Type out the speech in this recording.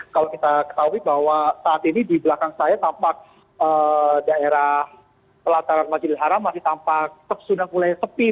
kalau kita ketahui bahwa saat ini di belakang saya tampak daerah pelataran majidil haram masih tampak sudah mulai sepi